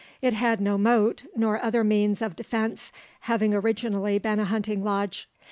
It had no moat nor other means of defence having originally been a hunting lodge.